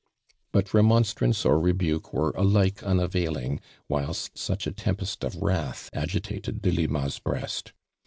But remonstrance or rebuke were alike unavailing whilst such a tempest of wrath agitated Delima's breast.